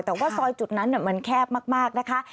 แต่ว่าซอยจุดนั้นมันแคบมากนะคะ